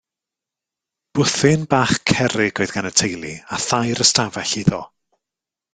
Bwthyn bach cerrig oedd gan y teulu, a thair ystafell iddo.